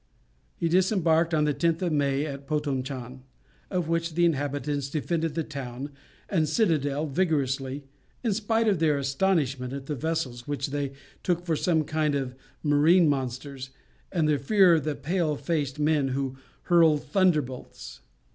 He disembarked on the 10th of May at Potonchan, of which the inhabitants defended the town and citadel vigorously, in spite of their astonishment at the vessels, which they took for some kind of marine monsters, and their fear of the pale faced men who hurled thunderbolts.